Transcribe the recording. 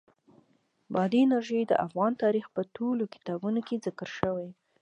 بادي انرژي د افغان تاریخ په ټولو کتابونو کې ذکر شوې.